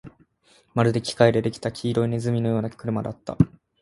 まるで機械で出来た黄色い鼠のような車だった